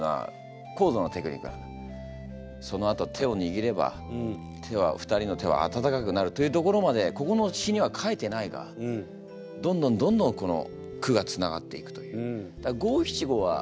そのあとは手をにぎれば２人の手は温かくなるというところまでここの詩には書いてないがどんどんどんどんこの句がつながっていくという。